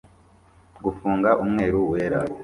Gufunga umweru wera